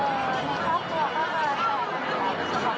ว่าเราก้งมีสักความตัดขนาดนี้ตัดผิดขนาดอีก